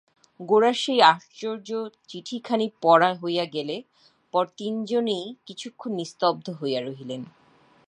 গোরার সেই আশ্চর্য চিঠিখানি পড়া হইয়া গেলে পর তিনজনেই কিছুক্ষণ নিস্তব্ধ হইয়া রহিলেন।